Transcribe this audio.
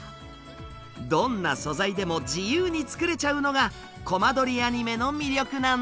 どんな素材でも自由に作れちゃうのがコマ撮りアニメの魅力なんです。